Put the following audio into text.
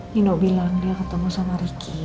nino bilang dia ketemu sama ricky